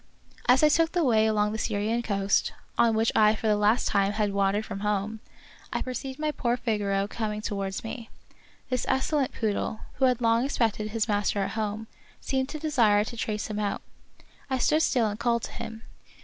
As I took the way along the Syrian coast, on which I for the last time had wandered from home, I perceived my poor Figaro coming to wards me. This excellent poodle, who had long expected his master at home, seemed to desire to trace him out. I stood still and called to him.